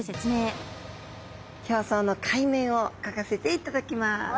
表層の海面を描かせていただきます。